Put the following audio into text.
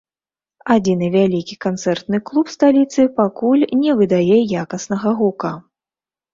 Адзіны вялікі канцэртны клуб сталіцы пакуль не выдае якаснага гука.